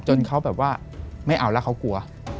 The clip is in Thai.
จนเขาแบบว่าไม่เอาแล้วเขากลัว